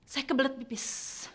saya kebelet pipis